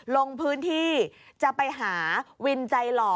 ลงพื้นที่จะไปหาวินใจหล่อ